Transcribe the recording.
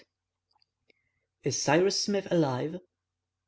IS CYPRUS SMITH ALIVE?